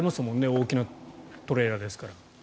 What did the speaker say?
大きなトレーラーですから。